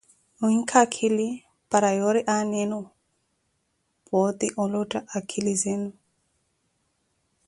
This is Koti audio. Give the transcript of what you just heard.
N`winkhe akhili para yoori aana enu poote olotta akhili zenu.